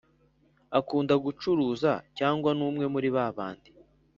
Akunda gucuruza cyangwa ni umwe muri ba bandi